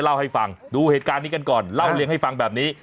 เล่าให้ฟังดูเหตุการณ์นี้กันก่อนเล่าเลี้ยงให้ฟังแบบนี้